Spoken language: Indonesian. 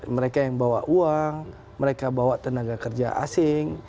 mereka yang bawa uang mereka bawa tenaga kerja asing